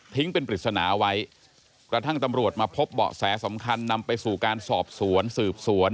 เป็นปริศนาไว้กระทั่งตำรวจมาพบเบาะแสสำคัญนำไปสู่การสอบสวนสืบสวน